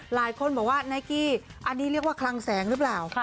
หลายคนบอกว่านายกี้อันนี้เรียกว่าคลังแสงหรือเปล่า